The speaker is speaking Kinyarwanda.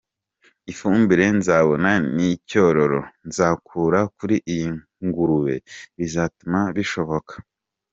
Ifumbire nzabona n’icyororo nzakura kuri iyi ngurube bizatuma bishoboka.